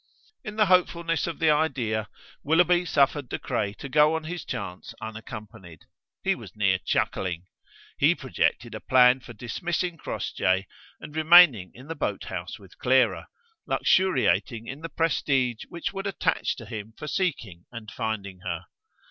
In the hopefulness of the idea, Willoughby suffered De Craye to go on his chance unaccompanied. He was near chuckling. He projected a plan for dismissing Crossjay and remaining in the boathouse with Clara, luxuriating in the prestige which would attach to him for seeking and finding her.